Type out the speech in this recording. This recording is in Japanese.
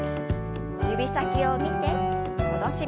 指先を見て戻します。